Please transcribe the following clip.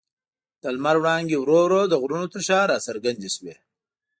د لمر وړانګې ورو ورو د غرونو تر شا راڅرګندې شوې.